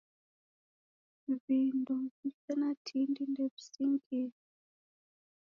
Vindo visena tindi ndevisingie.